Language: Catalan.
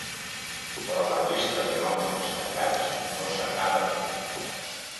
Però la llista de noms destacats no s’acaba aquí.